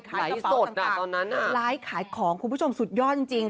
ขายกะเป๋าต์กันค่ะหลายขายของคุณผู้ชมซุดยอดจริง